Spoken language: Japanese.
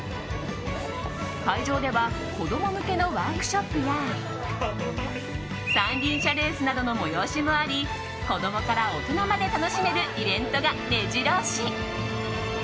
会場では子供向けのワークショップや三輪車レースなどの催しもあり子供から大人まで楽しめるイベントがめじろ押し。